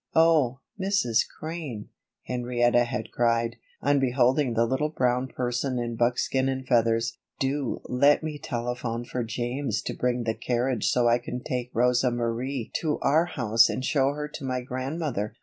"Oh, Mrs. Crane," Henrietta had cried, on beholding the little brown person in buckskin and feathers, "do let me telephone for James to bring the carriage so I can take Rosa Marie to our house and show her to my Grandmother.